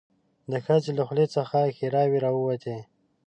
د ښځې له خولې څخه ښيراوې راووتې.